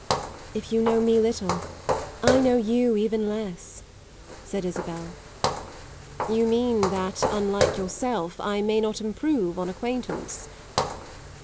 "If you know me little I know you even less," said Isabel. "You mean that, unlike yourself, I may not improve on acquaintance?